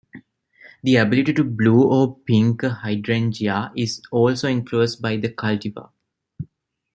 The ability to blue or pink a hydrangea is also influenced by the cultivar.